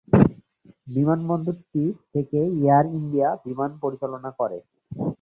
বিমানবন্দরটি থেকে Air India বিমান পরিচালনা করে।